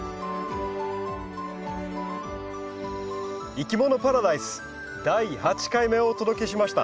「いきものパラダイス」第８回目をお届けしました。